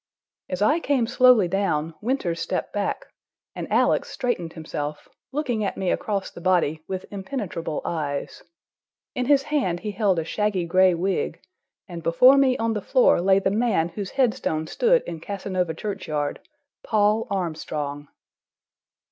As I came slowly down, Winters stepped back, and Alex straightened himself, looking at me across the body with impenetrable eyes. In his hand he held a shaggy gray wig, and before me on the floor lay the man whose headstone stood in Casanova churchyard—Paul Armstrong.